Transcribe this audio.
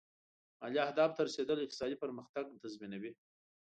مالي اهدافو ته رسېدل اقتصادي پرمختګ تضمینوي.